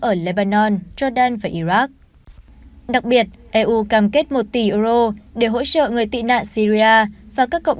ở leban jordan và iraq đặc biệt eu cam kết một tỷ euro để hỗ trợ người tị nạn syria và các cộng